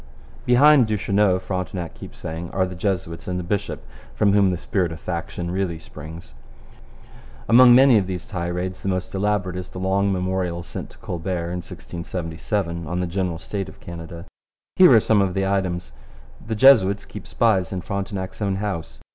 Behind Duchesneau, Frontenac keeps saying, are the Jesuits and the bishop, from whom the spirit of faction really springs. Among many of these tirades the most elaborate is the long memorial sent to Colbert in 1677 on the general state of Canada. Here are some of the items. The Jesuits keep spies in Frontenac's own house.